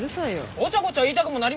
ごちゃごちゃ言いたくもなりますよ。